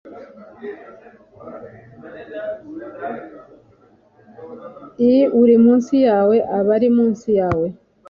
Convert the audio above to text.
i uri munsi yawe aba ri munsi yawe